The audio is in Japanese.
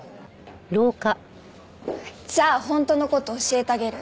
じゃあ本当の事教えてあげる。